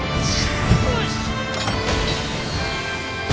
よし！